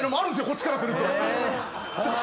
こっちからすると。